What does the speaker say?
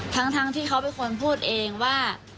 ทั้งที่เขาเป็นคนพูดเองว่า